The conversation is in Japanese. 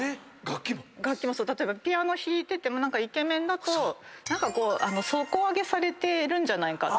楽器も⁉ピアノ弾いててもイケメンだと底上げされてるんじゃないかって。